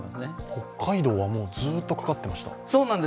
北海道はずっとかかってました。